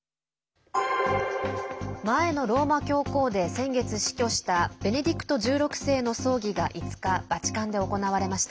前のローマ教皇で先月死去したベネディクト１６世の葬儀が５日、バチカンで行われました。